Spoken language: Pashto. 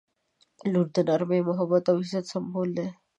• لور د نرمۍ، محبت او عزت سمبول دی.